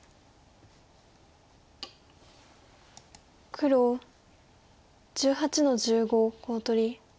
黒１８の十五コウ取り。